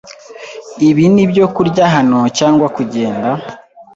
Ibi nibyo kurya hano, cyangwa kugenda?